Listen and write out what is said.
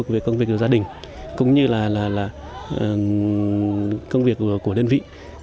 về công việc của gia đình cũng như là công việc của đơn vị